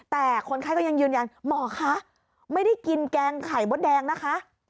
แต่คนไข้ก็ยังยืนยันหมอคะไม่ได้กินแกงไข่มดแดงนะคะ